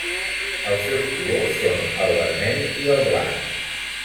Els seus colors són el vermell i el blanc.